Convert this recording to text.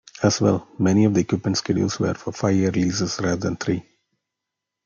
As well, many of the equipment schedules were for five-year leases rather than three.